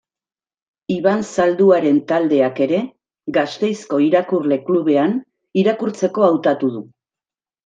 Iban Zalduaren taldeak ere, Gasteizko Irakurle Klubean, irakurtzeko hautatu du.